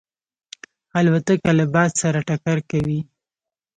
الوتکه له باد سره ټکر کوي.